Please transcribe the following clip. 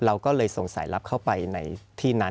เราก็เลยสงสัยรับเข้าไปในที่นั้น